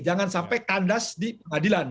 jangan sampai kandas di pengadilan